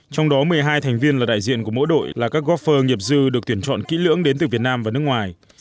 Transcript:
trong đó một mươi hai thành viên là đại diện của mỗi đội là các gofer nghiệp dư được tuyển chọn kỹ lưỡng đến từ việt nam và nước ngoài